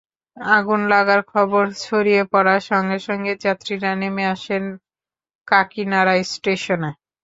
আগুন লাগার খবর ছড়িয়ে পড়ার সঙ্গে সঙ্গে যাত্রীরা নেমে আসেন কাঁকিনাড়া স্টেশনে।